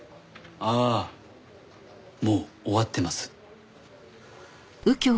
ああもう終わってます。